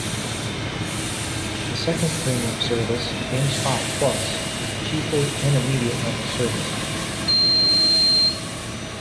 The second premium service, GameSpot Plus, is a cheaper, intermediate-level service.